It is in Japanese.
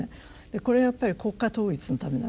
これやっぱり国家統一のためなんです。